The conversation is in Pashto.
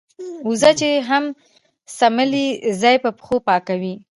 وزه چې هم څملې ځای په پښو پاکوي.